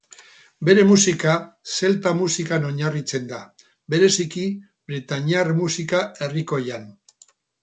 Bere musika zelta musikan oinarritzen da, bereziki bretainiar musika herrikoian.